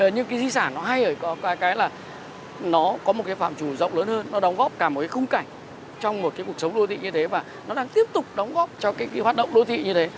những cái di sản nó hay có cái là nó có một cái phạm trù rộng lớn hơn nó đóng góp cả một cái khung cảnh trong một cái cuộc sống đô thị như thế và nó đang tiếp tục đóng góp cho cái hoạt động đô thị như thế